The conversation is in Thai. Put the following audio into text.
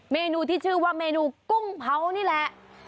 เมนูที่ชื่อว่าเมนูกุ้งเผานี่แหละ